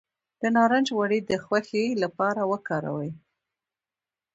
د نارنج غوړي د خوښۍ لپاره وکاروئ